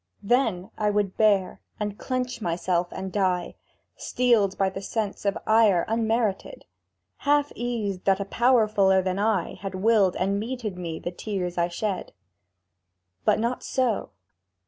Then would I bear, and clench myself, and die, Steeled by the sense of ire unmerited; Half eased in that a Powerfuller than I Had willed and meted me the tears I shed. But not so.